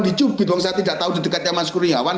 dicubit saya tidak tahu di dekatnya mas kurniawan